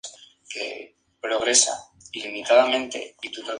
Actualmente el Alcalde de Mera es el Lic.